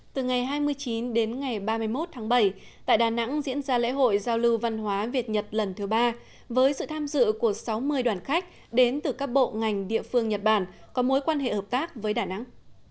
từ ngày hai mươi chín đến ngày ba mươi một tháng bảy tại đà nẵng diễn ra lễ hội giao lưu văn hóa việt nhật lần thứ ba với sự tham dự của sáu mươi đoàn khách đến từ các bộ ngành địa phương nhật bản có mối quan hệ hợp tác với đà nẵng